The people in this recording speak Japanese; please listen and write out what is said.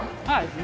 はい。